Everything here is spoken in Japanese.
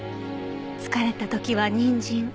疲れた時はにんじん。